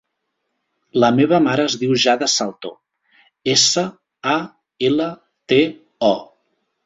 La meva mare es diu Jade Salto: essa, a, ela, te, o.